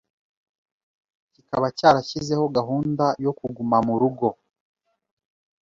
kikaba cyarashyizeho gahunda yo kuguma mu ngo